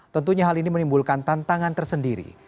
tentunya hal ini menimbulkan tantangan tersendiri